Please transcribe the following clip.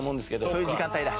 そういう時間帯だ。